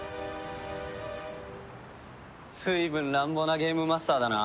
ずいぶん乱暴なゲームマスターだな。